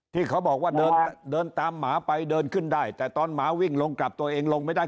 ที่เขาบอกว่าเดินตามหมาไปเดินขึ้นได้แต่ตอนหมาวิ่งลงกลับตัวเองลงไม่ได้